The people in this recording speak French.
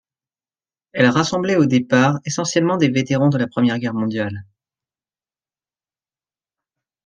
Elle rassemblait au départ, essentiellement des vétérans de la Première Guerre mondiale.